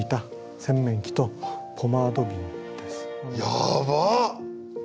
やばっ！